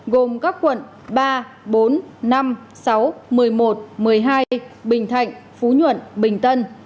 gồm các quận ba bốn năm sáu một mươi một một mươi hai bình thạnh phú nhuận bình tân